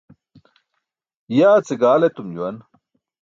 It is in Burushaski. Yaa ce gaal etum juwan